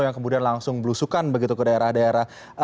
yang kemudian langsung belusukan begitu ke daerah daerah